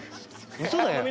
ウソだよ。